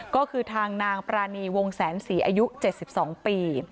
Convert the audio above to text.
ก็คือทางนางปรานีวงแสนสี่อายุเจ็ดสิบสองปี